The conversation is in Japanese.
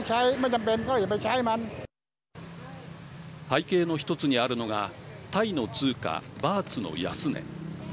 背景の１つにあるのがタイの通貨、バーツの安値。